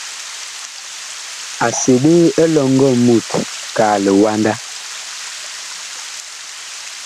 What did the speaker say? A seɓe elɔŋgɔ mut kaa liwanda.